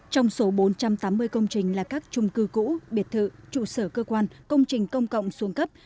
trong số bốn trăm tám mươi công trình là các trung cư cũ biệt thự trụ sở cơ quan công trình công cộng xuống cấp